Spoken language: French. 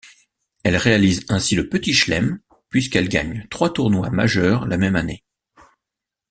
Elle réalise ainsi le Petit Chelem, puisqu'elle gagne trois tournois majeurs la même année.